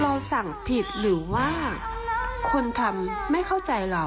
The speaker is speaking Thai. เราสั่งผิดหรือว่าคนทำไม่เข้าใจเรา